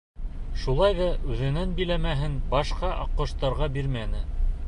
Шулай ҙа үҙенең биләмәһен башҡа аҡҡоштарға бирмәне.